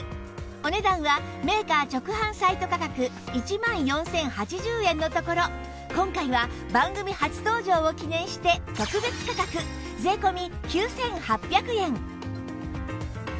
お値段はメーカー直販サイト価格１万４０８０円のところ今回は番組初登場を記念して特別価格税込９８００円